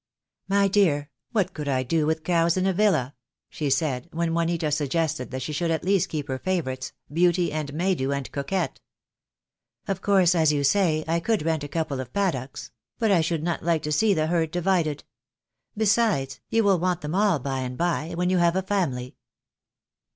"My dear, what could I do with cows in a villa?" she said, when Juanita suggested that she should at least keep her favourites, Beauty, and Maydew, and Coquette. "Of course, as you say, I could rent a couple of paddocks; but I should not like to see the herd divided. Besides, you will want them all by and by, when you have a family."